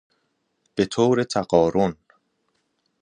بطور تقارن